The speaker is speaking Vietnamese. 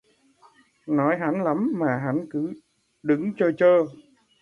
Nói hắn lắm, mà hắn cứ đứng trơ trơ